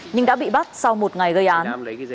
nhưng đã bị bắt sau một ngày gây án